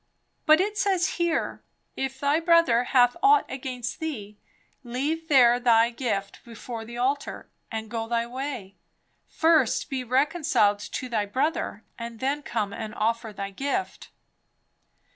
"But it says, here, 'if thy brother hath ought against thee, leave there thy gift before the altar, and go thy way; first be reconciled to thy brother, and then come and offer thy gift.'"